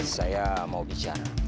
saya mau bicara